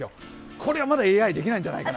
これはまだＡＩ、できないんじゃないかな。